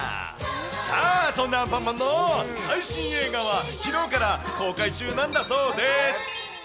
さあ、そんなアンパンマンの最新映画は、きのうから公開中なんだそうです。